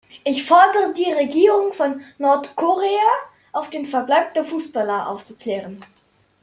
Ich fordere die Regierung von Nordkorea auf, den Verbleib der Fußballer aufzuklären.